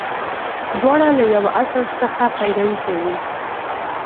• دواړه له یوه اصل څخه پیروي کوي.